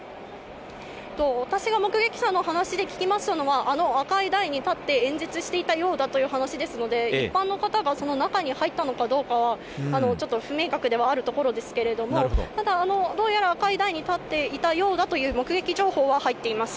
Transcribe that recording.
私が目撃者の話で聞きましたのは、あの赤い台に立って演説していたようだという話ですので、一般の方が中に入ったのかどうかはちょっと不明確ではあるところですけど、どうやら赤い台に立っていたようだという目撃情報は入っています。